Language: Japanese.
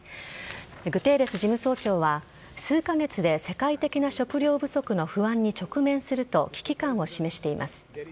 グテーレス事務総長は数カ月で世界的な食糧不足の不安に直面すると危機感を示しています。